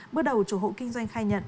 bước đầu chủ hộ kinh doanh khai nhận